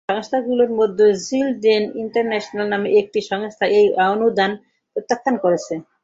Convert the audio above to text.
তবে সংস্থাগুলোর মধ্যে চিলড্রেন ইন্টারন্যাশনাল নামে একটি সংস্থা এই অনুদান প্রত্যাখ্যান করেছে।